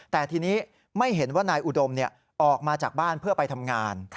แต่ทีนี้ไม่เห็นว่านายอุดมออกมาจากบ้านเพื่อไปทำงาน